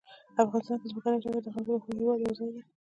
افغانستان کې ځمکنی شکل د خلکو د خوښې وړ یو ځای دی.